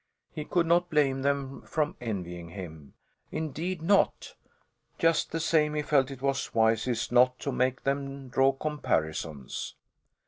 He could not blame them for envying him. Indeed not! Just the same he felt it was wisest not to make them draw comparisons.